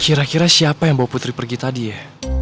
kira kira siapa yang bawa putri pergi tadi ya